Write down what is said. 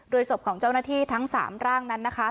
ศพของเจ้าหน้าที่ทั้ง๓ร่างนั้นนะคะ